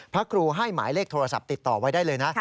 พระครูให้หมายเลขโทรศัพท์ติดต่อไว้ได้เลยนะ